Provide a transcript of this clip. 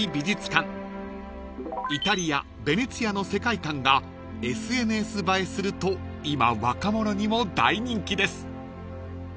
［イタリアベネチアの世界観がＳＮＳ映えすると今若者にも大人気です］